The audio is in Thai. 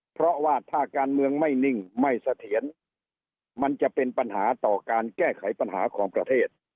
เพราะว่าถ้าการเมืองไม่นิ่งไม่เสถียรมันจะเป็นปัญหาต่อการแก้ไขปัญหาของประเทศ